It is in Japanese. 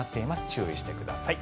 注意してください。